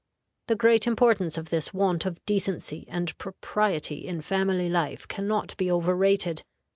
The great importance of this want of decency and propriety in family life can not be overrated.